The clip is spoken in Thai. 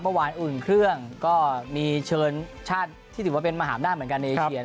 เมื่อวานอุ่นเครื่องก็มีเชิญชาติที่ถือว่าเป็นมหาอำนาจเหมือนกันในเอเชีย